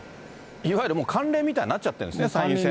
いわゆる慣例みたいになっちゃってるんですね、参院選